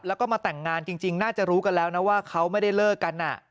แล้วก็มาแต่งงานจริงน่าจะรู้กันแล้วนะว่าเขาไม่ได้เลิกกัน